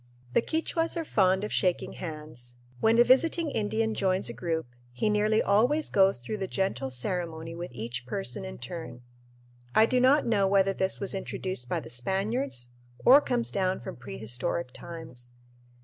The Quichuas are fond of shaking hands. When a visiting Indian joins a group he nearly always goes through the gentle ceremony with each person in turn. I do not know whether this was introduced by the Spaniards or comes down from prehistoric times.